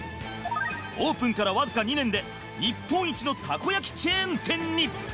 オープンからわずか２年で日本一のたこ焼きチェーン店に。